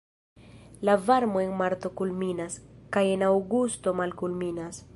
La varmo en marto kulminas kaj en aŭgusto malkulminas.